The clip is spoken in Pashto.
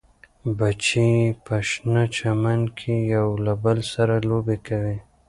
بچي یې په شنه چمن کې یو له بل سره لوبې کوي.